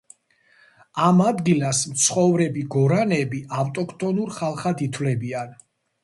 ამ ადგილას მცხოვრები გორანები ავტოქტონურ ხალხად ითვლებიან.